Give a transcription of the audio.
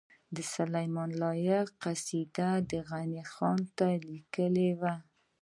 د سلیمان لایق قصیده چی غنی خان ته یی لیکلې وه